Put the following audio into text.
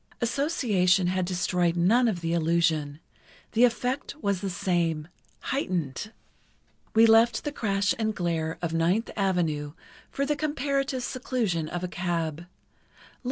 Association had destroyed none of the illusion. The effect was the same—heightened. We left the crash and glare of Ninth Avenue for the comparative seclusion of a cab.